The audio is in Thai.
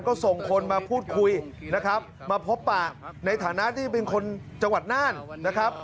ก็ส่งคนมาพูดคุยนะครับมาพบปะในฐานะที่เป็นคนจังหวัดน่านนะครับ